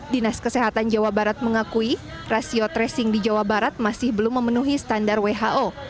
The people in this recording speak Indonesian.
dinas kesehatan jawa barat mengakui rasio tracing di jawa barat masih belum memenuhi standar who